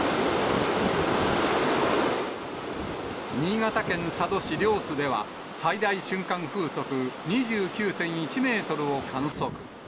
新潟県佐渡市両津では、最大瞬間風速２９．１メートルを観測。